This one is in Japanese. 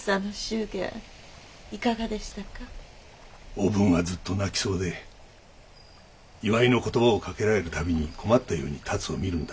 おぶんはずっと泣きそうで祝いの言葉をかけられるたびに困ったように辰を見るんだ。